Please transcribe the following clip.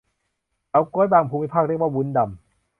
เฉาก๊วย บางภูมิภาคเรียกว่าวุ้นดำ